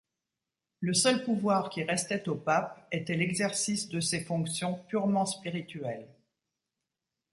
Le seul pouvoir qui restait au pape était l'exercice de ses fonctions purement spirituelles.